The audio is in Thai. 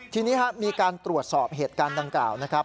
ทีนี้มีการตรวจสอบเหตุการณ์ดังกล่าวนะครับ